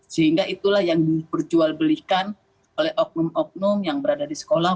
sehingga itulah yang diperjualbelikan oleh oknum oknum yang berada di sekolah